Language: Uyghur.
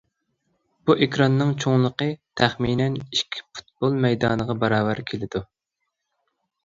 بۇ ئېكراننىڭ چوڭلۇقى تەخمىنەن ئىككى پۇتبول مەيدانىغا باراۋەر كېلىدۇ.